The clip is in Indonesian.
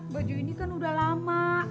baju ini kan udah lama